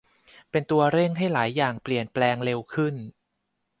เป็นตัวเร่งให้หลายอย่างเปลี่ยนแปลงเร็วขึ้น